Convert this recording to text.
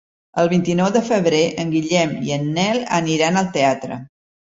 El vint-i-nou de febrer en Guillem i en Nel aniran al teatre.